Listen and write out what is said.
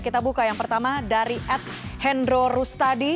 kita buka yang pertama dari ad hendro rustadi